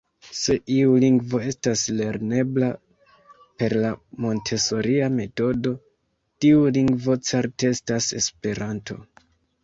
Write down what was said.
Se iu lingvo estas lernebla per la Montesoria metodo, tiu lingvo certe estas Esperanto.